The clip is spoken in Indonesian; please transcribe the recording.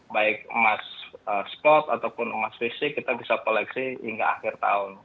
baik emas skot ataupun emas fisik kita bisa koleksi hingga akhir tahun